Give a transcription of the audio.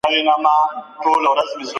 څوک نسي کولای ځان کاندید کړي؟